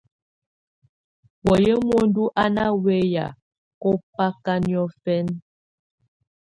Wayɛ̀á muǝndù á nà wɛ̀yà kɔmbaka niɔ̀fɛna.